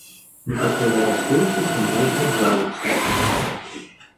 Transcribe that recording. Некаторыя расейцы са мной згаджаюцца.